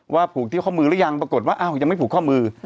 ผูกที่ข้อมือหรือยังปรากฏว่าอ้าวยังไม่ผูกข้อมือ